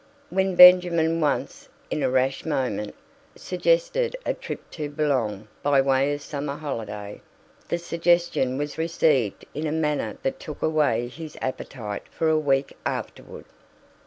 When Benjamin once, in a rash moment, suggested a trip to Boulogne by way of summer holiday, the suggestion was received in a manner that took away his appetite for a week afterward.